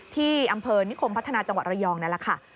ที่อำเภอนิคมพัฒนาจังหวัดระยองนั่นแหละค่ะ